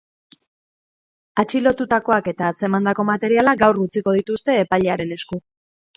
Atxilotutakoak eta atzemandako materiala gaur utziko dituzte epailearen esku.